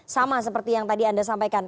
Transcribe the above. sama seperti yang tadi anda sampaikan